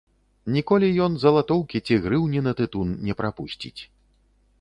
Ніколі ён залатоўкі ці грыўні на тытун не прапусціць.